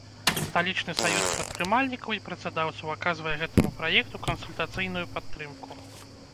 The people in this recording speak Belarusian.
Сталічны саюз прадпрымальнікаў і працадаўцаў аказвае гэтаму праекту кансультацыйную падтрымку.